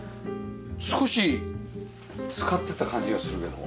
少し使ってた感じがするけども。